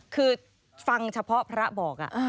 คือฟังเฉพาะพระบอก